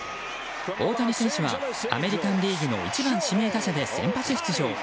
大谷選手はアメリカン・リーグの１番指名打者で先発出場。